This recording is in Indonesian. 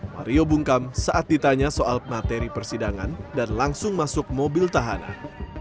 mario bungkam saat ditanya soal materi persidangan dan langsung masuk mobil tahanan